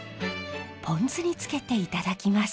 ポン酢につけていただきます。